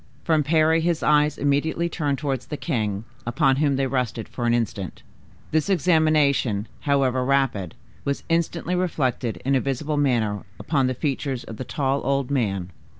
From Parry his eyes immediately turned towards the king, upon whom they rested for an instant. This examination, however rapid, was instantly reflected in a visible manner upon the features of the tall old man.